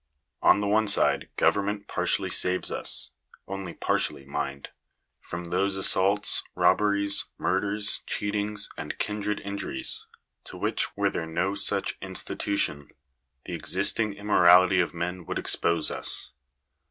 On the one side government partially saves us (only par tially, mind) from those assaults, robberies, murders, cheatings, Digitized by VjOOQIC THE DUTY OF THE STATE. 267 and kindred injuries, to which, were there no such institution, the existing immorality of men would expose us.